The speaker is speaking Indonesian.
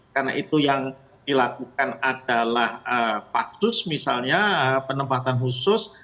karena itu yang dilakukan adalah faktus misalnya penempatan khusus